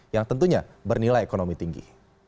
yang tentunya bernilai ekonomi tinggi